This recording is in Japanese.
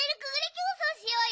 きょうそうしようよ。